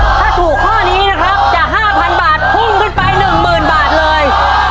ถ้าถูกข้อนี้นะครับจาก๕๐๐บาทพุ่งขึ้นไป๑๐๐๐บาทเลย